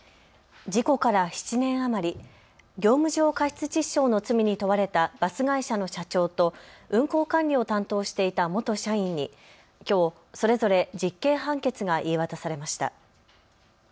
事故から７年余り、業務上過失致死傷の罪に問われたバス会社の社長と運行管理を担当していた元社員にきょう、それぞれ実刑判決が言い渡されました。